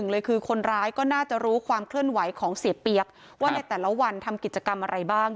เลยคือคนร้ายก็น่าจะรู้ความเคลื่อนไหวของเสียเปี๊ยกว่าในแต่ละวันทำกิจกรรมอะไรบ้าง